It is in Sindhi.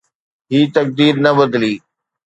هي تقدير نه بدلي